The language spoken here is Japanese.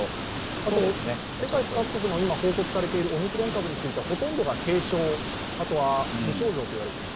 あと世界各国の報告されているオミクロン株についてほとんどが軽症、あとは無症状と言われています。